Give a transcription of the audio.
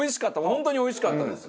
本当においしかったです。